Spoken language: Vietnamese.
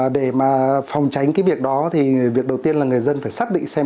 để mà phòng tránh cái việc đó thì việc đầu tiên là người dân phải xác định xem